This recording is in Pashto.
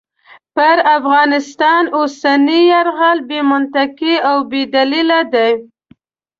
پر افغانستان اوسنی یرغل بې منطقې او بې دلیله دی.